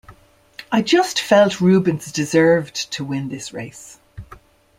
I just felt Rubens deserved to win this race.